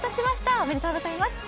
おめでとうございます。